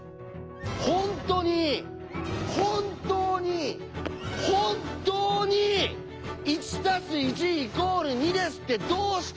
「本当に本当に本当に１＋１＝２です」ってどうして言えるんですか？